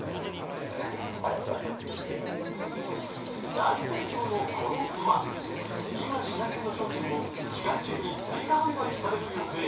大盛況のこのストア、今品切れの商品も期間中に追加販売される予定。